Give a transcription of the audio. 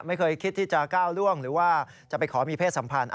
ไม่เคยคิดที่จะก้าวล่วงหรือว่าจะไปขอมีเพศสัมพันธ์